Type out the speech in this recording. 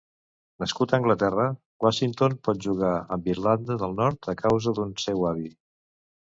Nascut a Anglaterra, Washington pot jugar amb Irlanda del Nord a causa d'un seu avi.